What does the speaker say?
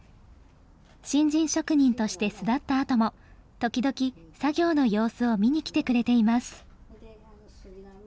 新人職人として巣立ったあとも時々作業の様子を見に来てくれています。